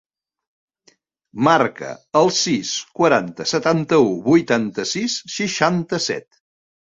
Marca el sis, quaranta, setanta-u, vuitanta-sis, seixanta-set.